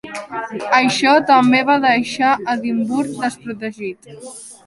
Això també va deixar Edimburg desprotegit.